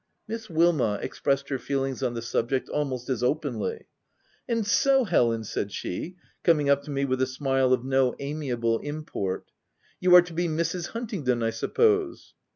Miss Wilmot expressed her feelings on the subject, almost as openly. " And so, Helen," said she, coming up to me with a smile of no amiable import, "you are to be Mrs. Huntingdon, I suppose?"